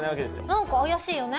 何か怪しいよね。